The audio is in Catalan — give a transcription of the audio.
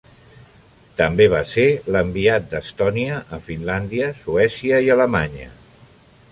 També va ser l'enviat d'Estònia a Finlàndia, Suècia i Alemanya.